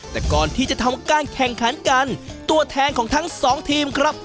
แต่ก่อนที่จะทำการแข่งขันกันตัวแทนของทั้งสองทีมครับ